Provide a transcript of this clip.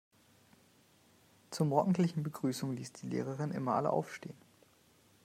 Zur morgendlichen Begrüßung ließ die Lehrerin immer alle aufstehen.